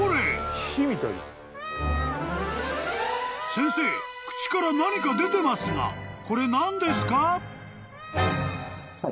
［先生口から何か出てますがこれ何ですか？］